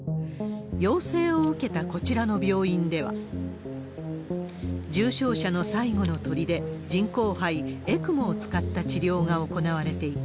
要請を受けたこちらの病院では、重症者の最後のとりで、人工肺・ＥＣＭＯを使った治療が行われていた。